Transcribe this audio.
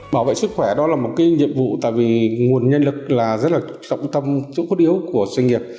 bảo vệ sức khỏe đó là một cái nhiệm vụ tại vì nguồn nhân lực là rất là trọng tâm chỗ khuất yếu của doanh nghiệp